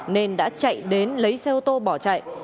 nên đã chạy đến lấy xe ô tô bỏ chạy